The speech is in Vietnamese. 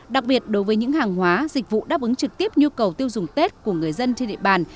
đặc biệt đối với những hàng hóa dịch vụ đáp ứng trực tiếp nhu cầu tiêu dùng tết của người dân trên địa bàn